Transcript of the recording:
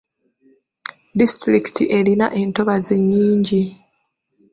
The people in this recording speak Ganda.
Disitulikiti erina entobazi nnyingi.